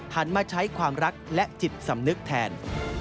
มาใช้ความรักและจิตสำนึกแทน